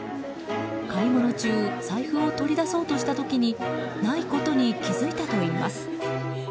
買い物中財布を取り出そうとした時にないことに気付いたといいます。